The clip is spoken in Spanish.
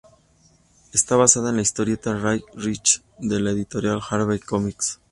Está basada en la historieta "Richie Rich" de la editorial Harvey Comics.